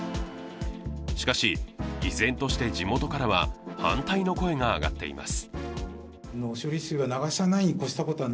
しかし依然として地元からは反対の声が上がっています。